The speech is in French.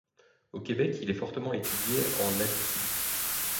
Au Québec, il est fortement étudié en Abitibi.